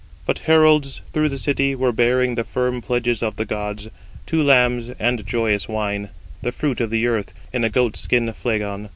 But heralds through the city were bearing the firm pledges of the gods, two lambs and joyous wine, the fruit of the earth, in a goat skin flagon.